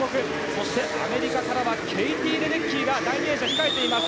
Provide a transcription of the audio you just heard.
そして、アメリカからはケイティ・レデッキーが第２泳者で控えています。